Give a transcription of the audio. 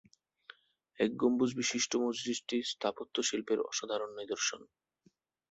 এক গম্বুজ বিশিষ্ট মসজিদটি স্থাপত্য শিল্পের অসাধারণ নিদর্শন।